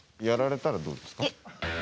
やられたらどうですか？